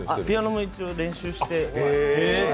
ピアノも一応、練習して。